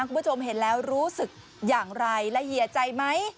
คุณผู้ชมเห็นแล้วรู้สึกอย่างไรละเอียดใจไหม